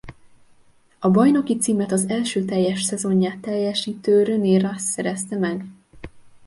A bajnoki címet az első teljes szezonját teljesítő René Rast szerezte meg.